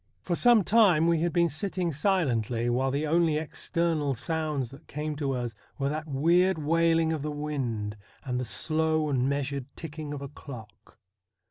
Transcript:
For some time we had been sitting silently, while the only external sounds that came to us were that weird wailing of the wind and the slow and measured ticking of a clock.